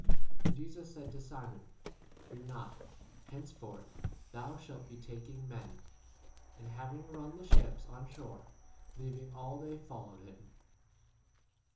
And Jesus said to Simon, Fear not ; henceforth thou shalt 11 be taking men. And having run the ships on shore, leaving all they followed him.